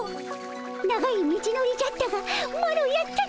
長い道のりじゃったがマロやったでおじゃる。